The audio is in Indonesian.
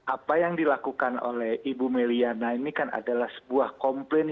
apa yang dilakukan oleh ibu meliana ini kan adalah sebuah komplain